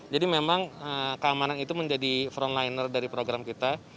jadi memang keamanan itu menjadi frontliner dari program kita